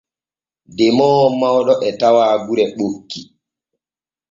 Demoowo mawɗo e tawa gure ɓokki.